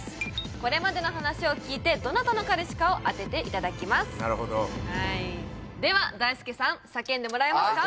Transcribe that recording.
これまでの話を聞いてどなたの彼氏かを当てていただきますでは大輔さん叫んでもらえますか？